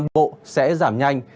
nam bộ sẽ giảm nhanh